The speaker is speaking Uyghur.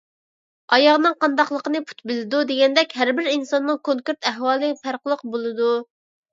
«ئاياغنىڭ قانداقلىقىنى پۇت بىلىدۇ» دېگەندەك، ھەربىر ئىنساننىڭ كونكرېت ئەھۋالى پەرقلىق بولىدۇ.